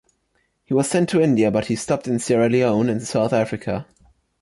He was sent to India but he stopped in Sierra Leone and South Africa.